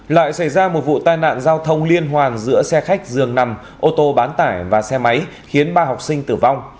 lại xảy ra một vụ tai nạn giao thông liên hoàn giữa xe khách dường nằm ô tô bán tải và xe máy khiến ba học sinh tử vong